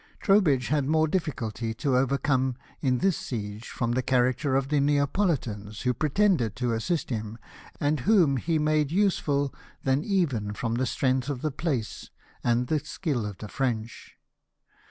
Trowbridge had more difficulties to overcome in this siege, from the character of the Neapolitans Avho pretended to assist him, and whom he made useful, than even from the strength of the place and the skill of the French.